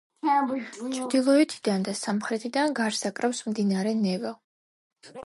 ჩრდილოეთიდან და სამხრეთიდან გარს აკრავს მდინარე ნევა.